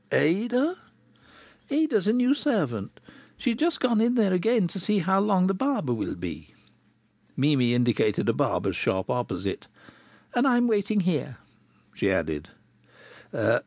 "Ada?" "Ada's a new servant. She's just gone in there again to see how long the barber will be." Mimi indicated a barber's shop opposite. "And I'm waiting here," she added.